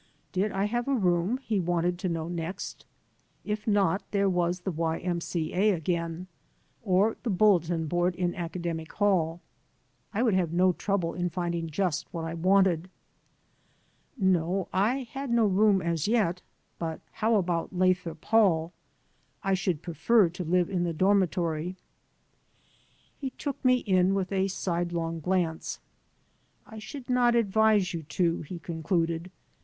Did I have a room, he wanted to know next. If not, there was the Y. M. C. A. again, or the bulletin board in Academic Hall. I would have no trouble in finding just what I wanted. No, I had no room as yet, but how about Lathrop Hall? I should prefer to live in the dormitory. He took me in with a sidelong glance. "I should not advise you to," he concluded.